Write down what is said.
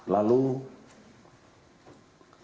lalu mengerucutlah pos ini